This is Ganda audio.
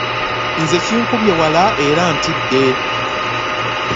Nze kinkubye wala era ntidde.